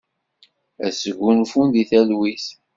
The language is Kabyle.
Ad sgunfun di talwit.